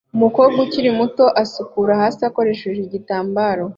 Umukobwa ukiri muto asukura hasi akoresheje igitambaro